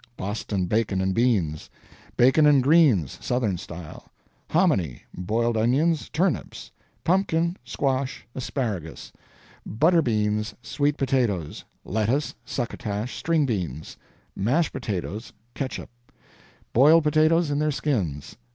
Boston bacon and beans. Bacon and greens, Southern style. Hominy. Boiled onions. Turnips. Pumpkin. Squash. Asparagus. Butter beans. Sweet potatoes. Lettuce. Succotash. String beans. Mashed potatoes. Catsup. Boiled potatoes, in their skins.